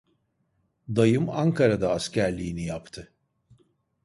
Dayım Ankara'da askerliğini yaptı.